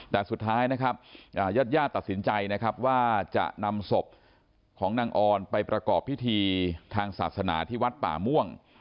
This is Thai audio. แต่สุดท้ายนะครับญาติญาติตัดสินใจนะครับว่าจะนำศพของนางออนไปประกอบพิธีทางศาสนาที่วัดป่าม่วง